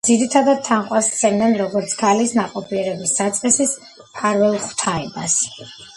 ძირითადად თაყვანს სცემდნენ, როგორც ქალის ნაყოფიერების საწყისის მფარველ ღვთაებას.